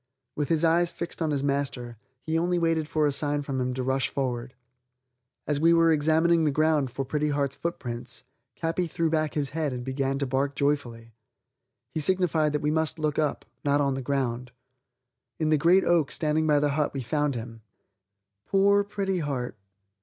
With his eyes fixed on his master, he only waited for a sign from him to rush forward. As we were examining the ground for Pretty Heart's footprints, Capi threw back his head and began to bark joyfully. He signified that we must look up, not on the ground. In the great oak standing by the hut we found him. Poor Pretty Heart!